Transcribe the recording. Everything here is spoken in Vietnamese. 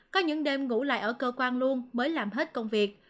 có những đêm ngủ lại ở cơ quan luôn mới làm hết công việc